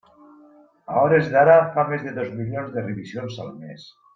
A hores d'ara fa més de dos milions de revisions al mes.